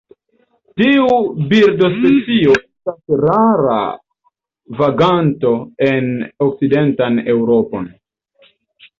Tiu birdospecio estas rara vaganto en okcidentan Eŭropon.